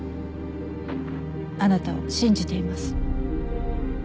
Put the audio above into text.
あなたを信じています。